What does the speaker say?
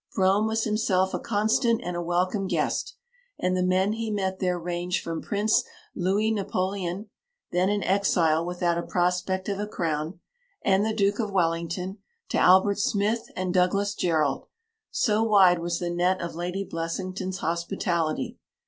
Brougham was himself a constant and a welcome guest, and the men he met there ranged from Prince Louis Napoleon, then an exile without a prospect of a crown, and the Duke of Wellington to Albert Smith and Douglas Jerrold so wide was the net of Lady Blessington's hospitality.